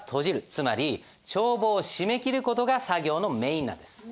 つまり帳簿を締め切る事が作業のメインなんです。